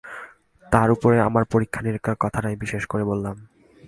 তার ওপরে আমার পরীক্ষানিরীক্ষার কথাটাই বিশেষ করে বললাম।